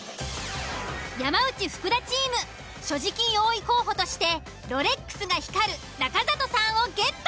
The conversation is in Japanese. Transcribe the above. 山内・福田チーム所持金多い候補としてロレックスが光る中里さんをゲット。